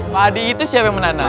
padi itu siapa yang menanam